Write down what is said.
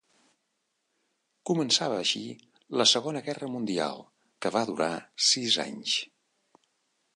Començava així la Segona Guerra Mundial, que va durar sis anys.